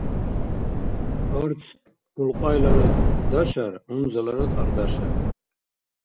Арц улкьайларад дашар, унзаларад ардашар.